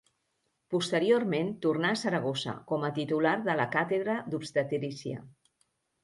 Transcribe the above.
Posteriorment tornà a Saragossa, com a titular de la càtedra d'obstetrícia.